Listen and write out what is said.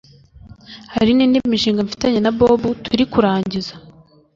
hari n’indi mishinga mfitanye na Bob turi kurangiza